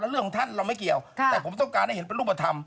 เรื่องของท่านเราไม่เกี่ยวแต่ผมต้องการให้เห็นเป็นรูปธรรม